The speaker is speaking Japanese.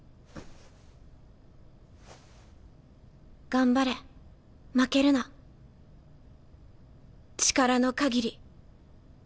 頑張れ負けるな力のかぎり。